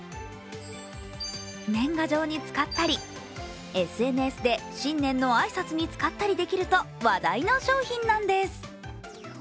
年賀状に使ったり、ＳＮＳで新年の挨拶に使ったりできると話題の商品なんです。